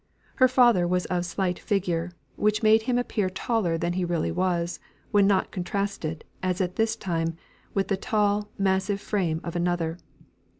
Her father was of slight figure, which made him appear taller than he really was, when not contrasted, as at this time, with the tall, massive frame of another.